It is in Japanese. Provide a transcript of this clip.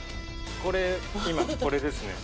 これ今これですね。